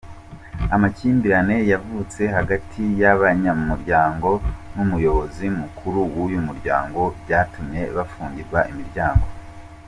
Amakimbirane yavutse hagati y’abanyamuryango n’umuyobozi mukuru w’uyu muryango byatumye bafungirwa imiryango.